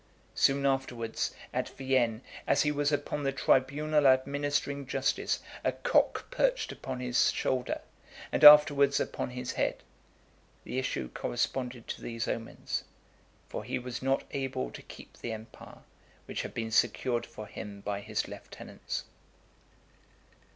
Soon afterwards, at Vienne , as he was upon the tribunal administering justice, a cock perched upon his shoulder, and afterwards upon his head. The issue corresponded to these omens; for he was not able to keep the empire which had been secured for him by his lieutenants.